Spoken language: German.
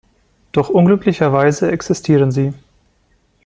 Doch unglücklicherweise existieren sie.